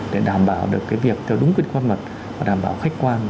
để đảm bảo được cái việc theo đúng quyết quan mật và đảm bảo khách quan